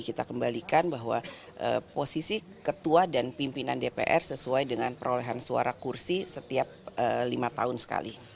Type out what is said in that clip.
kita kembalikan bahwa posisi ketua dan pimpinan dpr sesuai dengan perolehan suara kursi setiap lima tahun sekali